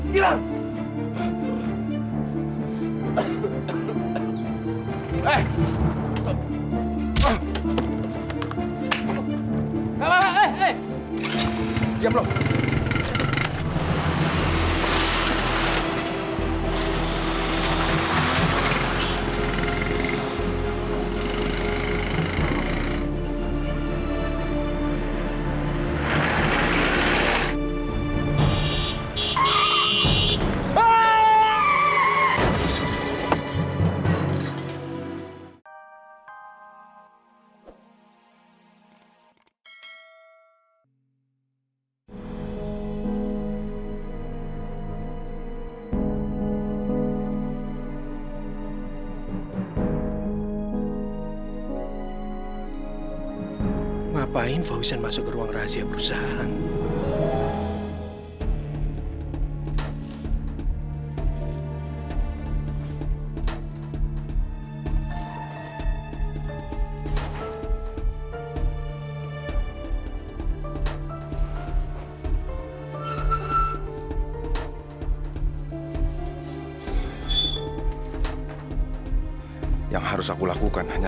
sampai jumpa di video selanjutnya